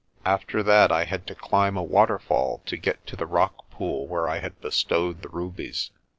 After that I had to climb a waterfall to get to the rock pool where I had bestowed the rubies.